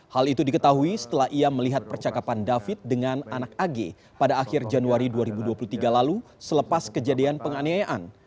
hal itu diketahui setelah ia melihat percakapan david dengan anak ag pada akhir januari dua ribu dua puluh tiga lalu selepas kejadian penganiayaan